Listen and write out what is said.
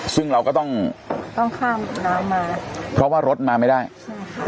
ซึ่งเราก็ต้องต้องข้ามน้ำมาเพราะว่ารถมาไม่ได้ใช่ค่ะ